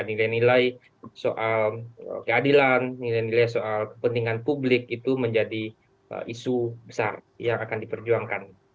nilai nilai soal keadilan nilai nilai soal kepentingan publik itu menjadi isu besar yang akan diperjuangkan